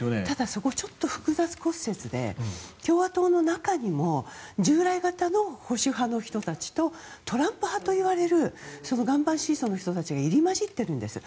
そこはちょっと複雑骨折で共和党の中にも従来型の保守派の人たちとトランプ派といわれる岩盤支持層の人たちが入り混じってるんです。